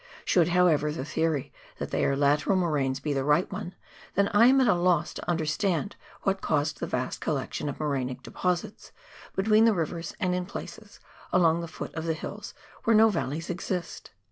Should, however, the theory that they are lateral moraines be the right one, then I am at a loss to understand what caused the vast collection of morainic deposits between the rivers and in places along the foot of the hills where no valleys exist.